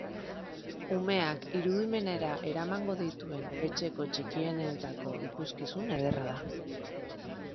Umeak irudimenera eramango dituen etxeko txikienentzako ikuskizun ederra da.